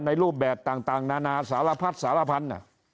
รูปแบบต่างนานาสารพัดสารพันธุ์